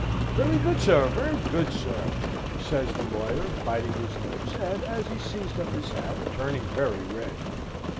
"Very good, sir, very good, sir!" says the lawyer, biting his lips, and, as he seized up his hat, turning very red.